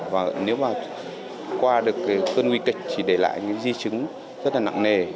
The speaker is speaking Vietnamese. và nếu mà qua được cơn nguy kịch thì để lại những di chứng rất là nặng nề